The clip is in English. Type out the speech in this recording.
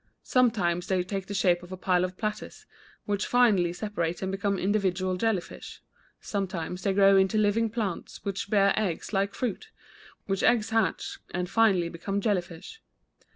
Sometimes they take the shape of a pile of platters, which finally separate and become individual jelly fish; sometimes they grow into living plants which bear eggs like fruit, which eggs hatch and finally become jelly fish.